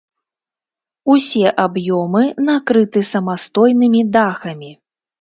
Усе аб'ёмы накрыты самастойнымі дахамі.